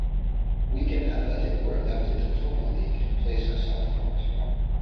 Wigan Athletic were elected to the Football League in place of Southport.